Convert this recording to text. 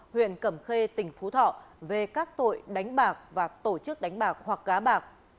huyện cẩm khê tỉnh phú thọ về các tội đánh bạc và tổ chức đánh bạc hoặc gá bạc